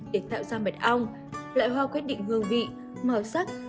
để tạo ra mật ong loại hoa quyết định hương vị màu sắc